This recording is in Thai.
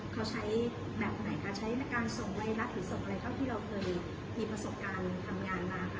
เขาใช้แบบไหนคะใช้ในการส่งไวรัสหรือส่งอะไรเท่าที่เราเคยมีประสบการณ์ทำงานมาค่ะ